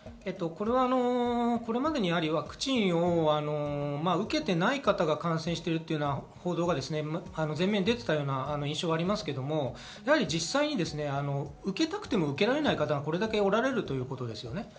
これまでにワクチンを受けてない方が感染しているという報道が前面に出ていたような印象がありますが、実際に受けたくても受けられない方がこれだけおられるということです。